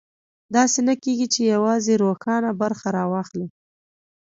داسې نه کېږي چې یوازې روښانه برخه راواخلي.